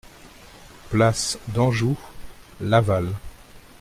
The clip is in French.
Place d'Anjou, Laval